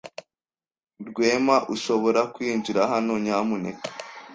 Rwema, ushobora kwinjira hano, nyamuneka?